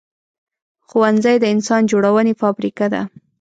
ښوونځی د انسان جوړونې فابریکه ده